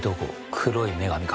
黒い女神か。